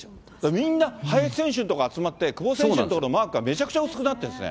みんな、林選手の所に集まって、久保選手の所、マークがめちゃくちゃ薄くなってるんですね。